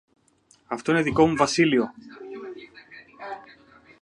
Αυτό είναι δικό μου βασίλειο.